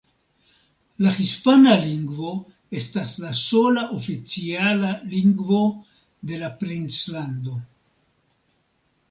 La hispana lingvo estas la sola oficiala lingvo de la Princlando.